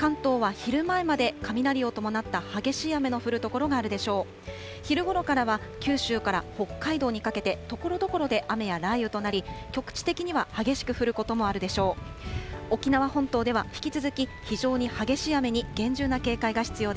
昼ごろからは、九州から北海道にかけて、ところどころで雨や雷雨となり、局地的には激しく降ることもあるでしょう。